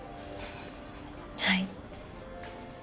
はい。